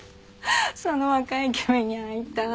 その若いイケメンに会いたい。